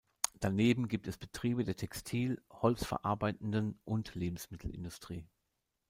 Daneben gibt es Betriebe der Textil-, holzverarbeitenden und Lebensmittelindustrie.